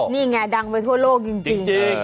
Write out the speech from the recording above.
นี่ไงดังไปทั่วโลกจริง